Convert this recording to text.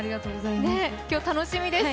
今日、楽しみです。